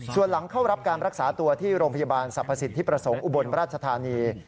ส่วนหลังเข้ารับการรักษาตัวที่โรงพยาบาลสรรพสิทธิประสงค์อุบลราชธานี